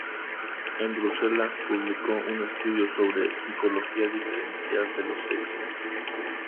En Bruselas publicó un estudio sobre "Psicología diferencial de los sexos".